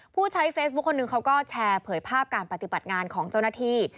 ผู้ใช้เฟซบุ๊คคนหนึ่งเขาก็แชร์เผยภาพการปฏิบัติงานของเจ้าหน้าที่